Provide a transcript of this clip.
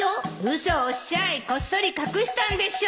嘘おっしゃいこっそり隠したんでしょう